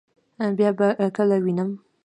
بیا به کله وینم؟